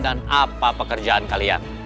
dan apa pekerjaan kalian